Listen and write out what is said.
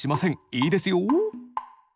いいですよ。